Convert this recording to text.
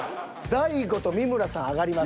大悟と三村さん上がります。